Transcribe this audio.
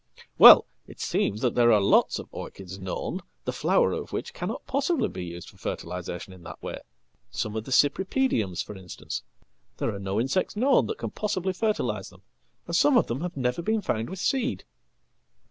Well, it seems that there are lots of orchids known the flower of whichcannot possibly be used for fertilisation in that way. Some of theCypripediums, for instance; there are no insects known that can possiblyfertilise them, and some of them have never been found with seed.""